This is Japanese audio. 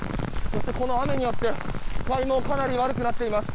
そして、この雨によって視界もかなり悪くなっています。